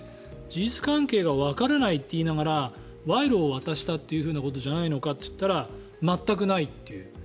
事実関係がわからないと言いながら賄賂を渡したということじゃないのかと言ったら全くないという。